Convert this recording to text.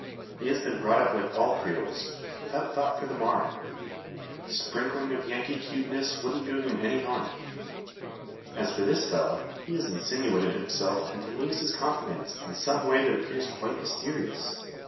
He has been brought up like all Creoles, without thought for the morrow. A sprinkling of Yankee cuteness wouldn't do him any harm. As for this fellow, he has insinuated himself into Luis's confidence in some way that appears quite mysterious.